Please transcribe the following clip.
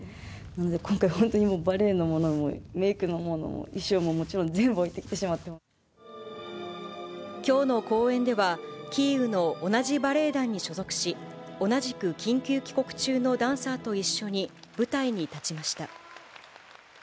なので今回、本当にバレエのものもメークのものも衣装ももちろん全部置いてききょうの公演では、キーウの同じバレエ団に所属し、同じく緊急帰国中のダンサーと一緒に舞台に立ちました。